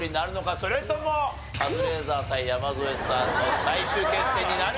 それともカズレーザー対山添さんの最終決戦になるんでしょうか？